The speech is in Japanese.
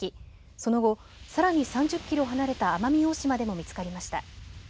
その後、さらに３０キロ離れた奄美大島でも見つかりました。